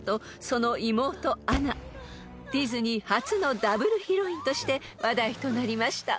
［ディズニー初のダブルヒロインとして話題となりました］